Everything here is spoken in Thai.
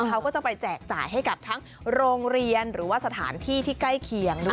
เขาก็จะไปแจกจ่ายให้กับทั้งโรงเรียนหรือว่าสถานที่ที่ใกล้เคียงด้วย